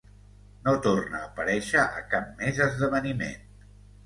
No torna a aparèixer a cap més esdeveniment.